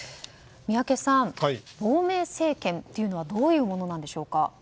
宮家さん、亡命政権というのはどういうものなんでしょうか。